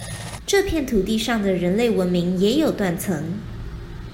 這片土地上的人類文明也有「斷層」